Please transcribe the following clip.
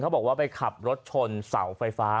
บอกว่าไปขับรถชนเสาไฟฟ้า